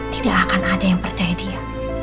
tidak akan ada yang percaya dia